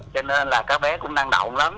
cho nên là các bé cũng năng động lắm